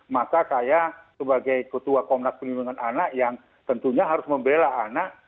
maka saya sebagai ketua komnas perlindungan anak yang tentunya harus membela anak